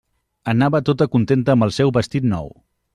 Anava tota contenta amb el seu vestit nou.